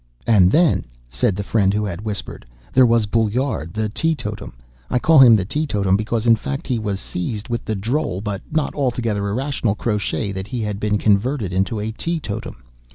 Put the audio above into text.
"And then," said the friend who had whispered, "there was Boullard, the tee totum. I call him the tee totum because, in fact, he was seized with the droll, but not altogether irrational, crotchet, that he had been converted into a tee totum.